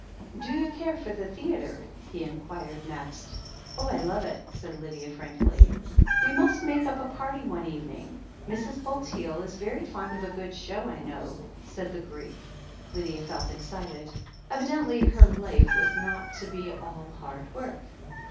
"Do you care for the theatre?" he inquired next. "Oh, I love it," said Lydia frankly. "We must make up a party one evening. Mrs. Bulteel is very fond of a good show, I know," said the Greek. Lydia felt excited. Evidently her life was not to be all hard work.